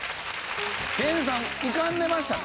研さん浮かんでましたか？